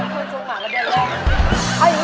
คุณจุงเหมือนกันด้วยเลย